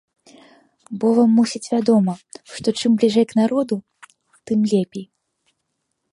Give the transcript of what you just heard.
Бо вам, мусіць, вядома, што чым бліжэй к народу, тым лепей!